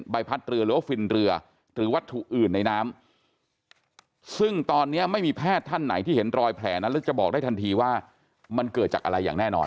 ใบพัดเรือหรือว่าฟินเรือหรือวัตถุอื่นในน้ำซึ่งตอนนี้ไม่มีแพทย์ท่านไหนที่เห็นรอยแผลนั้นแล้วจะบอกได้ทันทีว่ามันเกิดจากอะไรอย่างแน่นอน